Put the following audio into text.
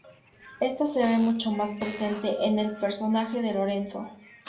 Ésta se ve mucho más presente en el personaje de Lorenzo.